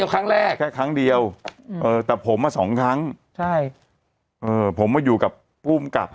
ครั้งเดียวถึงจะเป็นอีกครั้งนา